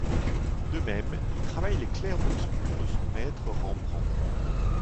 De même, il travaille les clairs-obscurs de son maître Rembrandt.